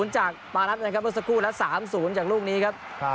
จากปารัสนะครับเมื่อสักครู่และ๓๐จากลูกนี้ครับ